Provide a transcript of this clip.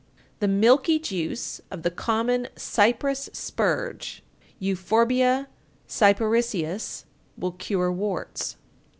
_ 893. The milky juice of the common cypress spurge (Euphorbia Cyparissias) will cure warts.